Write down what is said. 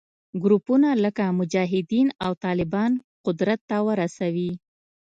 ګروپونه لکه مجاهدین او طالبان قدرت ته ورسوي